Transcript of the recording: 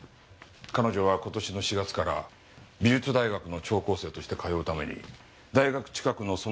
彼女は今年の４月から美術大学の聴講生として通うために大学近くのその部屋に入居したそうだ。